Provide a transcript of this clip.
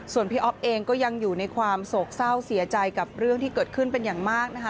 ส่วนพี่อ๊อฟเองก็ยังอยู่ในความโศกเศร้าเสียใจกับเรื่องที่เกิดขึ้นเป็นอย่างมากนะคะ